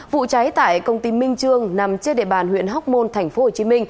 vụ cháy tại công ty minh trương nằm trên địa bàn huyện hóc môn tp hcm